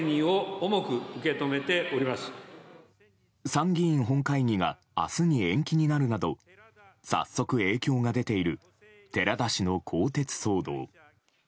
参議院本会議が明日に延期になるなど早速、影響が出ている寺田氏の更迭騒動。